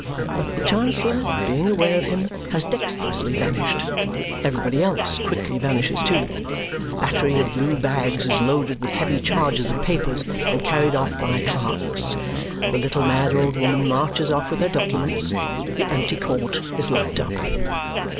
but the Chancellor, being aware of him, has dexterously vanished. Everybody else quickly vanishes too. A battery of blue bags is loaded with heavy charges of papers and carried off by clerks; the little mad old woman marches off with her documents; the empty court is locked up.